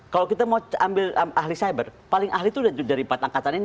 kalau kita mau ambil ahli cyber paling ahli itu dari empat angkatan ini